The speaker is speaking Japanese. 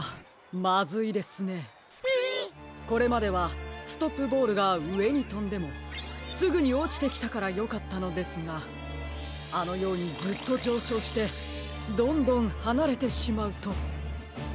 これまではストップボールがうえにとんでもすぐにおちてきたからよかったのですがあのようにずっとじょうしょうしてどんどんはなれてしまうと。